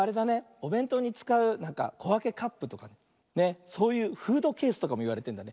おべんとうにつかうこわけカップとかそういうフードケースとかもいわれてるんだね。